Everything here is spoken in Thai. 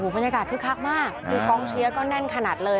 บรรยากาศคือคลักษณ์มากคือกองเชียวก็แน่นขนาดเลย